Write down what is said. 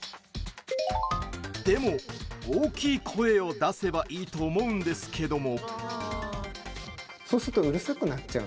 でも、大きい声を出せばいいと思うんですけども。